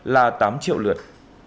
là tám triệu lượt